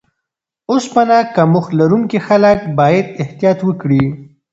اوسپنه کمښت لرونکي خلک باید احتیاط وکړي.